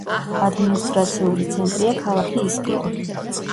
ადმინისტრაციული ცენტრია ქალაქი ისკირი.